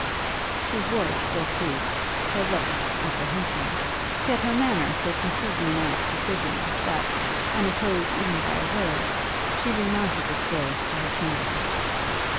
Her voice spoke grief, her look, apprehension; yet her manner so completely announced decision, that, unopposed even by a word, she re mounted the stairs to her chamber.